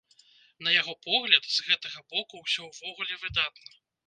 На яго погляд, з гэтага боку ўсё ўвогуле выдатна.